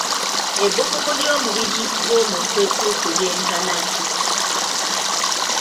Ebbugumu ly'omubiri gw'omuntu ettuufu lyenkana ki?